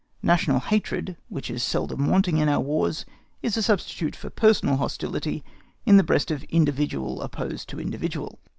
National hatred, which is seldom wanting in our Wars, is a substitute for personal hostility in the breast of individual opposed to individual.